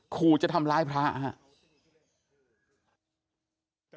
ขูจะทำร้ายพระอ่ะ